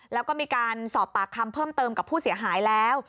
แล้วก็มีการสอบปากคำเพิ่มเติมกับผู้เสียหายแล้ว